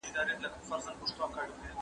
بابا به ويل، ادې به منل.